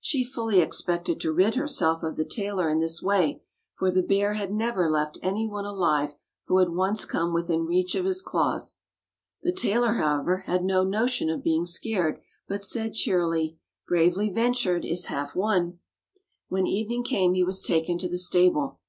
She fully expected to rid herself of the tailor in this way, for the bear had never left any one alive who had once come within reach of his claws. The tailor, however, had no notion of being scared, but said cheerily, "Bravely ventured is half won." When evening came he was taken to the stable.